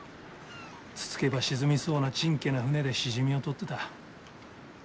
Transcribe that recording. つつけば沈みそうなちんけな船でシジミを取ってた。